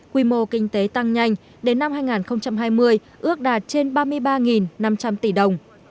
quy mô kinh tế tăng nhanh đến năm hai nghìn hai mươi ước đạt trên ba mươi ba năm trăm linh tỷ đồng